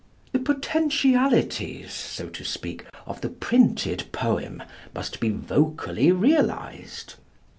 The potentialities, so to speak, of the printed poem, must be vocally realized.